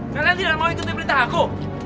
kalian tidak mau ikutin perintah aku